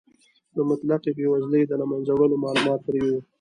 د مطلقې بې وزلۍ د له منځه وړلو مالومات پرې و.